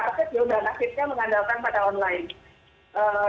awal sekali kami hanya boleh keluar ke parasi dan ke grocery yang ada di dalam listrik